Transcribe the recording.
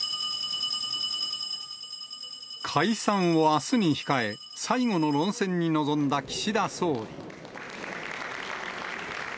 解散をあすに控え、最後の論戦に臨んだ岸田総理。